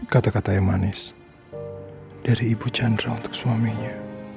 kata kata yang manis dari ibu chandra untuk suaminya